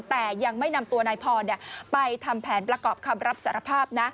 แต่ยังไม่นำตัวนายพรไปทำแผนประกอบคำรับสารภาพนะ